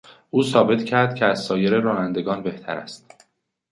او ثابت کرد که از سایر رانندگان بهتر است.